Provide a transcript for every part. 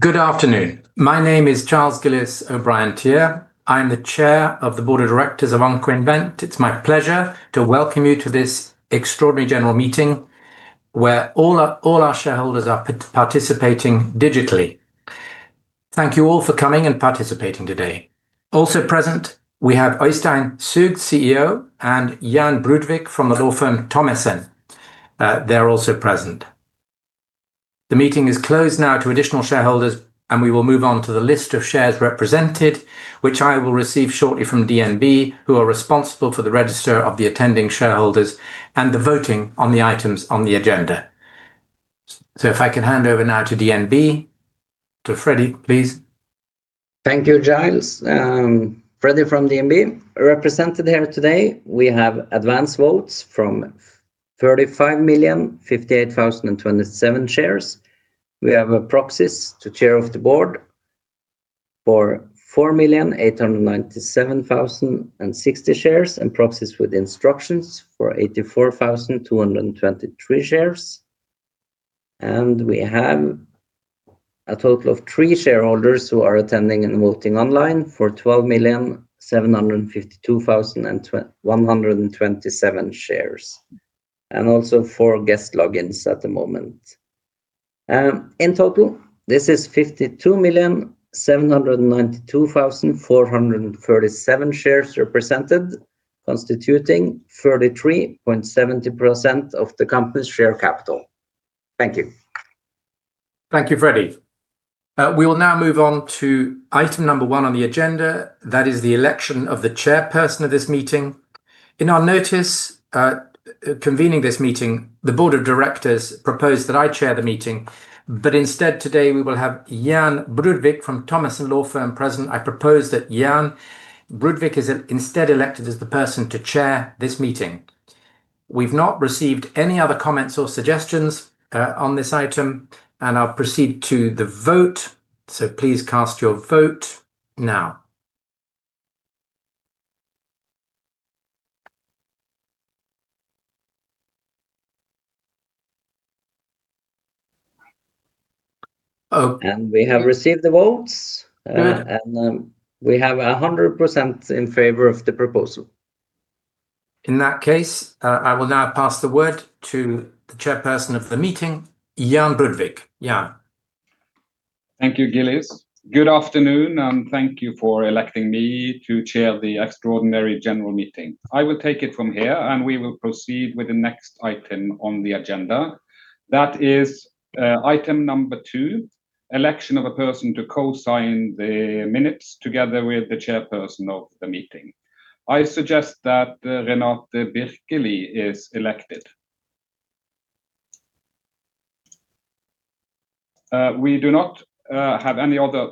Good afternoon. My name is Charles Gillis O'Bryan-Tear. I'm the Chair of the Board of Directors of Oncoinvent. It's my pleasure to welcome you to this extraordinary general meeting where all our shareholders are participating digitally. Thank you all for coming and participating today. Also present, we have Oystein Soug, CEO, and Jan Brudvik from the law firm Thommessen. They're also present. The meeting is closed now to additional shareholders, and we will move on to the list of shares represented, which I will receive shortly from DNB, who are responsible for the register of the attending shareholders and the voting on the items on the agenda. So if I can hand over now to DNB, to Freddie, please. Thank you, Gillis. Freddie from DNB represented here today. We have advance votes from 35,058,027 shares. We have proxies to chair of the board for 4,897,060 shares and proxies with instructions for 84,223 shares. We have a total of three shareholders who are attending and voting online for 12,752,127 shares and also four guest logins at the moment. In total, this is 52,792,437 shares represented, constituting 33.70% of the company's share capital. Thank you. Thank you, Freddie. We will now move on to item number one on the agenda. That is the election of the chairperson of this meeting. In our notice convening this meeting, the Board of Directors proposed that I chair the meeting, but instead today we will have Jan Brudvik from Thommessen law firm present. I propose that Jan Brudvik is instead elected as the person to chair this meeting. We've not received any other comments or suggestions on this item, and I'll proceed to the vote. So please cast your vote now. We have received the votes, and we have 100% in favor of the proposal. In that case, I will now pass the word to the chairperson of the meeting, Jan Brudvik. Jan. Thank you, Gillis. Good afternoon, and thank you for electing me to chair the extraordinary general meeting. I will take it from here, and we will proceed with the next item on the agenda. That is item number two, election of a person to co-sign the minutes together with the chairperson of the meeting. I suggest that Renate Birkeli is elected. We do not have any other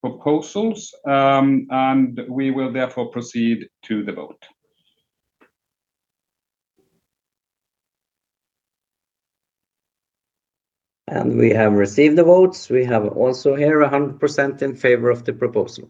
proposals, and we will therefore proceed to the vote. We have received the votes. We have also here 100% in favor of the proposal.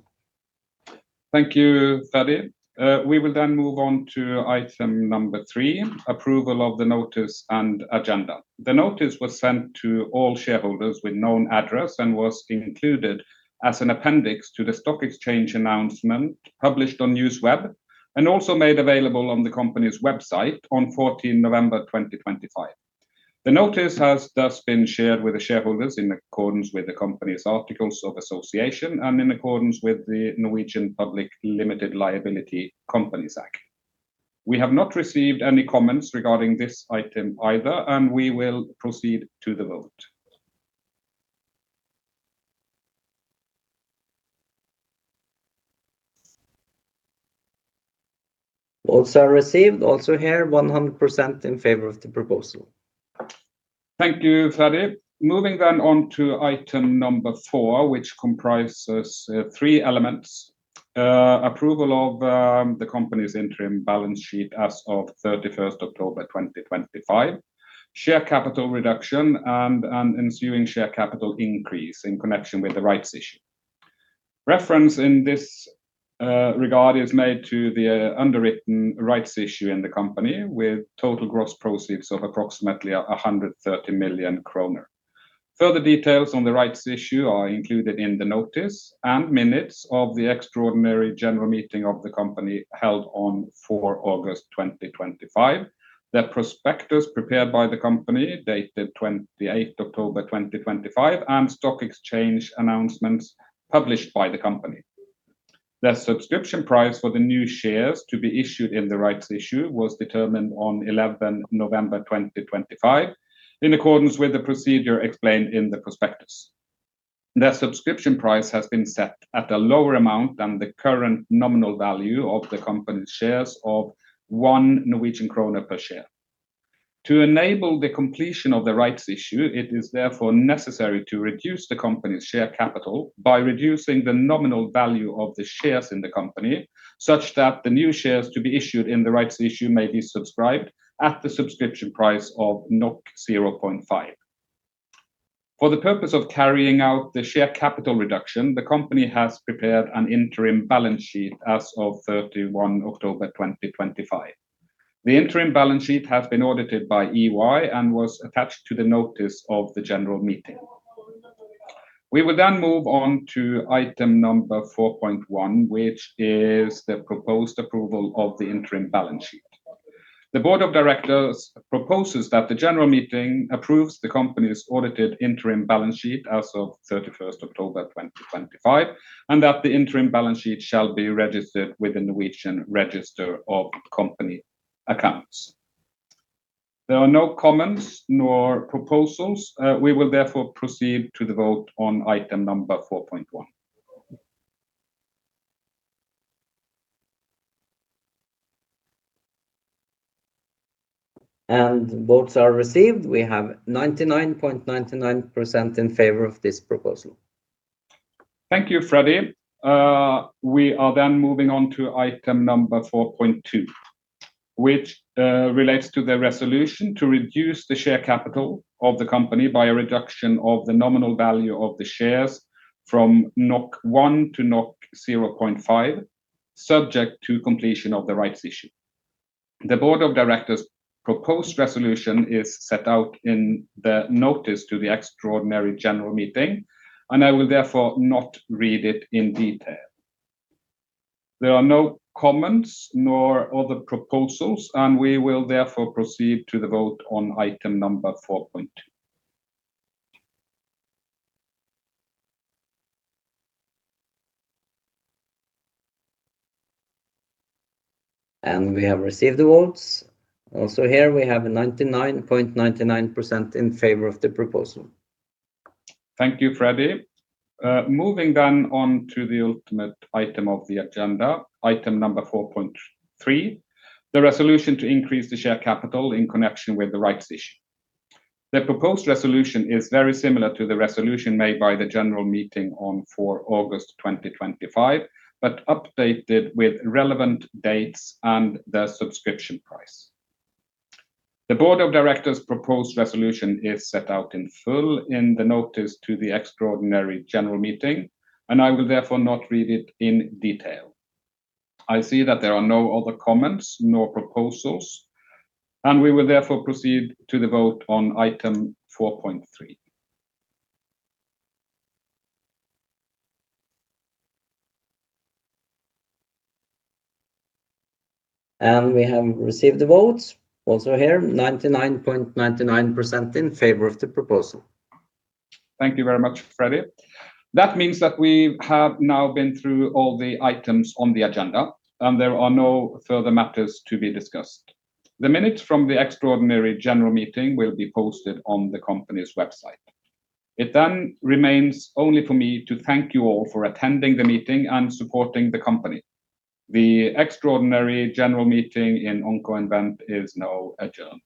Thank you, Freddie. We will then move on to item number three, approval of the notice and agenda. The notice was sent to all shareholders with known address and was included as an appendix to the stock exchange announcement published on NewsWeb and also made available on the company's website on 14 November 2025. The notice has thus been shared with the shareholders in accordance with the company's articles of association and in accordance with the Norwegian Public Limited Liability Companies Act. We have not received any comments regarding this item either, and we will proceed to the vote. Votes are received also here, 100% in favor of the proposal. Thank you, Freddie. Moving then on to item number four, which comprises three elements: approval of the company's interim balance sheet as of 31 October 2025, share capital reduction, and an ensuing share capital increase in connection with the rights issue. Reference in this regard is made to the underwritten rights issue in the company with total gross proceeds of approximately 130 million kroner. Further details on the rights issue are included in the notice and minutes of the extraordinary general meeting of the company held on 4 August 2025, the prospectus prepared by the company dated 28 October 2025, and stock exchange announcements published by the company. The subscription price for the new shares to be issued in the rights issue was determined on 11 November 2025 in accordance with the procedure explained in the prospectus. The subscription price has been set at a lower amount than the current nominal value of the company's shares of one Norwegian krone per share. To enable the completion of the rights issue, it is therefore necessary to reduce the company's share capital by reducing the nominal value of the shares in the company such that the new shares to be issued in the rights issue may be subscribed at the subscription price of 0.5. For the purpose of carrying out the share capital reduction, the company has prepared an interim balance sheet as of 31 October 2025. The interim balance sheet has been audited by EY and was attached to the notice of the general meeting. We will then move on to item number 4.1, which is the proposed approval of the interim balance sheet. The Board of Directors proposes that the general meeting approves the company's audited interim balance sheet as of 31 October 2025 and that the interim balance sheet shall be registered with the Norwegian Register of Company Accounts. There are no comments nor proposals. We will therefore proceed to the vote on item number 4.1. Votes are received. We have 99.99% in favor of this proposal. Thank you, Freddie. We are then moving on to item number 4.2, which relates to the resolution to reduce the share capital of the company by a reduction of the nominal value of the shares from 1 to 0.5, subject to completion of the rights issue. The Board of Directors' proposed resolution is set out in the notice to the extraordinary general meeting, and I will therefore not read it in detail. There are no comments nor other proposals, and we will therefore proceed to the vote on item number 4.2. We have received the votes. Also here, we have 99.99% in favor of the proposal. Thank you, Freddie. Moving then on to the ultimate item of the agenda, item number 4.3, the resolution to increase the share capital in connection with the rights issue. The proposed resolution is very similar to the resolution made by the general meeting on 4 August 2025, but updated with relevant dates and the subscription price. The Board of Directors' proposed resolution is set out in full in the notice to the Extraordinary General Meeting, and I will therefore not read it in detail. I see that there are no other comments nor proposals, and we will therefore proceed to the vote on item 4.3. We have received the votes. Also here, 99.99% in favor of the proposal. Thank you very much, Freddie. That means that we have now been through all the items on the agenda, and there are no further matters to be discussed. The minutes from the extraordinary general meeting will be posted on the company's website. It then remains only for me to thank you all for attending the meeting and supporting the company. The extraordinary general meeting in Oncoinvent is now adjourned.